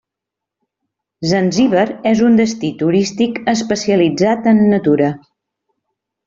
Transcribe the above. Zanzíbar és un destí turístic especialitzat en natura.